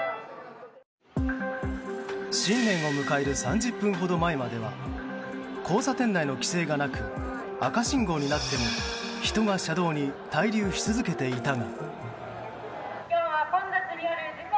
新年を迎える３０分ほど前までは交差点内の規制がなく赤信号になっても人が車道に滞留し続けていたが。